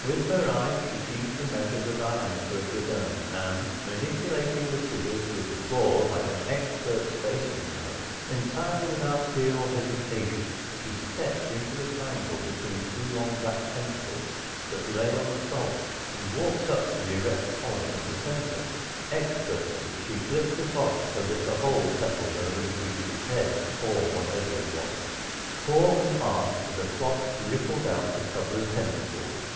With her eye she seemed to measure the diameter of the dome and, manipulating the scissors with the claw like an expert space mechanic, she cut a sizable hole in the center of the cloth. Entirely without fear or hesitation, she stepped into the triangle between two long black tentacles that lay on the salt and walked up to the erect column at the center. Expertly, she flipped the cloth so that the hole settled over the creature's head, or whatever it was. Fore and aft, the cloth rippled out to cover the tentacles.